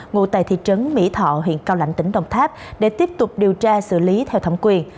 ngụ tại thị trấn mỹ thọ huyện cao lãnh tỉnh đồng tháp để tiếp tục điều tra xử lý theo thẩm quyền